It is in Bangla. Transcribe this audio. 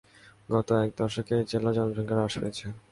গত এক দশকে এ জেলার জনসংখ্যা হ্রাস পেয়েছে।